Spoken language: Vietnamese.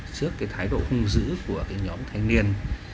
trước cái thái độ hung dữ của nam thanh niên